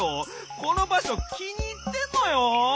このばしょきにいってんのよ！